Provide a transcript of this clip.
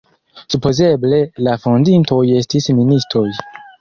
Supozeble la fondintoj estis ministoj.